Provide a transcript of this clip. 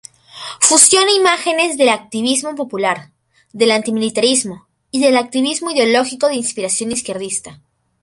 Fusiona imágenes del activismo popular, del antimilitarismo y del activismo ideológico de inspiración izquierdista.